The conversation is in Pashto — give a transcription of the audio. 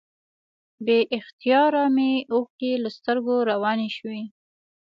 بې اختیاره مې اوښکې له سترګو روانې شوې.